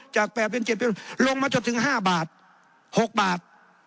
จาก๘เป็น๗เป็นลงมาจนถึง๕บาท๖บาท